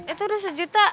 itu udah sejuta